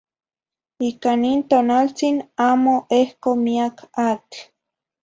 Ica nin tonaltzin amo ehco miac atl